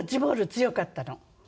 強かったの？